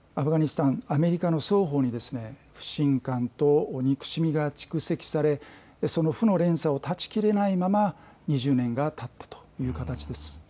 アフガニスタンアメリカの双方に不信感と憎しみが蓄積されその負の連鎖を断ち切れないまま２０年がたったという形です。